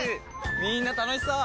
みんな楽しそう！